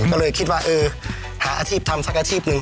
ก็เลยคิดว่าเออหาอาชีพทำสักอาชีพหนึ่ง